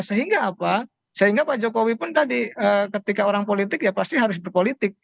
sehingga apa sehingga pak jokowi pun tadi ketika orang politik ya pasti harus berpolitik